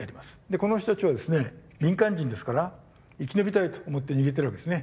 この人たちはですね民間人ですから生き延びたいと思って逃げてるわけですね。